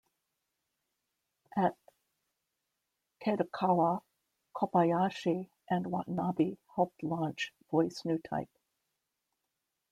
At Kadokawa, Kobayashi and Watanabe helped launch "Voice Newtype".